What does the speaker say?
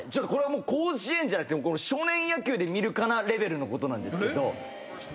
これは甲子園じゃなくて少年野球で見るかなレベルのことなんですけど。